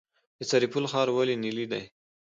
سرپل ښار ولې تیلي دی؟